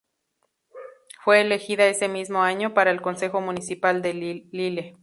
Fue elegida ese mismo año para el Consejo Municipal de Lille.